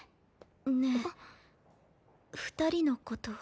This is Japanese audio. ねえ二人のことは？